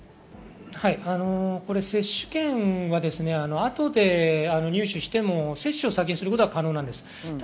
接種券は後で入手しても、接種を先にすることは可能です。